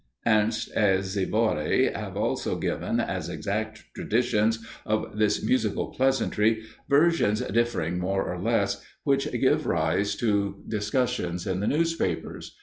Ernst and Sivori have also given, as exact traditions of this musical pleasantry, versions differing more or less, which gave rise to discussions in the newspapers.